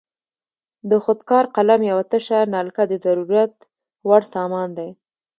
د خود کار قلم یوه تشه نلکه د ضرورت وړ سامان دی.